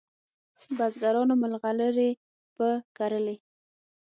بزګرانو مرغلري په کرلې